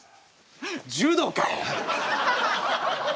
柔道かよ！